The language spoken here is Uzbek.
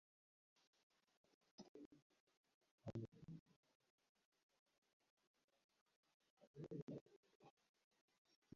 Inson tabiatiga bolalikda singdirilgan fazilatlargina mustahkam va ishonchli bo‘ladi.